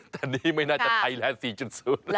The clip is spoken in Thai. แต่นี่ไม่น่าจะไทยแลนด์๔๐